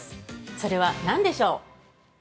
それは何でしょう？